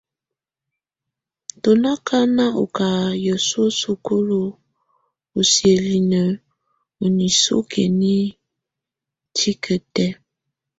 Tú nà kana ú ká yǝsuǝ́ sokolo u siǝ́linǝ ù nisukiǝ̀ ni tikǝ tɛ̀á.